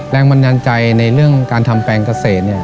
แรงบัญญาณใจในเรื่องการทำแปรงเกษร